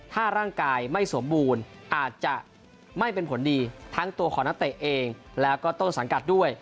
ถ้าร่างกายไม่สมบูรณ์อาจจะไม่เป็นผลดีทั้งตัวของนักเตะเองแล้วก็ต้นสังกัดด้วย